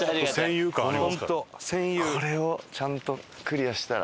これをちゃんとクリアしたら。